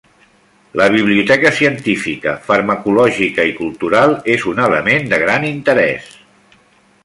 La biblioteca científica, farmacològica i cultural és un element de gran interès.